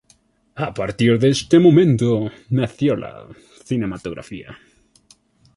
A partir de este momento, nació la cinematografía.